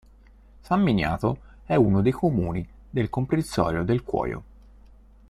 San Miniato è uno dei comuni del comprensorio del cuoio.